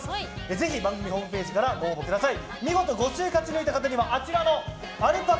ぜひ番組ホームページからご応募ください。